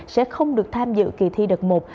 sẽ không được tham dự kỳ thi đợt một